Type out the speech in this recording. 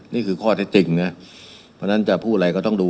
นี่คือข้อเท็จจริงนะเพราะฉะนั้นจะพูดอะไรก็ต้องดู